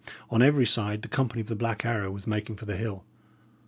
On every side the company of the Black Arrow was making for the hill.